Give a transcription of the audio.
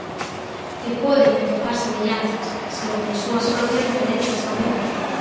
E poden atopar semellanzas, segundo as súas propias referencias tamén.